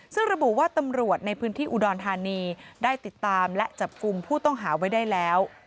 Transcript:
ซึ่งระบุว่าตำรวจในพื้นที่อุดรธานีได้ติดตามและจับกลุ่มผู้ต้องหาไว้ได้แล้ว